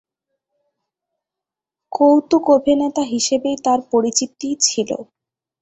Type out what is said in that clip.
কৌতুক অভিনেতা হিসেবেই তার পরিচিতি ছিল।